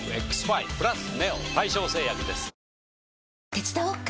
手伝おっか？